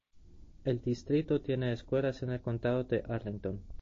El distrito tiene escuelas en el Condado de Arlington.